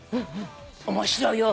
面白いよ。